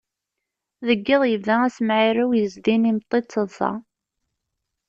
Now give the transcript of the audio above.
Deg yiḍ yebda asemɛirew yezdin imeṭṭi d taḍṣa.